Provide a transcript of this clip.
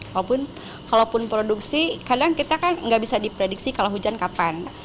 walaupun kalaupun produksi kadang kita kan nggak bisa diprediksi kalau hujan kapan